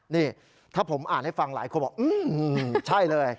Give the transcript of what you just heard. นี่ถ้าผมอ่านให้ฟังหลายคนบอกใช่เลย